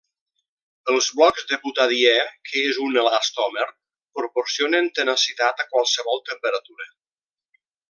Els blocs de butadiè que és un elastòmer, proporcionen tenacitat a qualsevol temperatura.